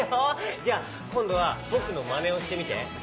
じゃあこんどはぼくのまねをしてみて。